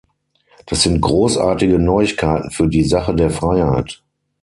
Das sind großartige Neuigkeiten für die Sache der Freiheit.